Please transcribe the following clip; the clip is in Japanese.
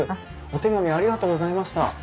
お手紙ありがとうございました。